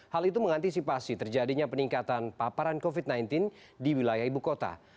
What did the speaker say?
hal itu mengantisipasi terjadinya peningkatan paparan covid sembilan belas di wilayah ibu kota